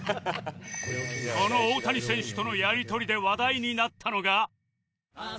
この大谷選手とのやりとりで話題になったのが